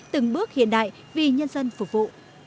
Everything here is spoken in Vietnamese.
từng bước hiện đại vì nhân dân phục vụ